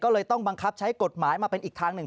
ก็เลยต้องบังคับใช้กฎหมายมาเป็นอีกทางหนึ่ง